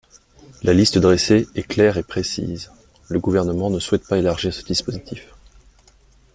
La liste dressée est claire et précise ; le Gouvernement ne souhaite pas élargir ce dispositif.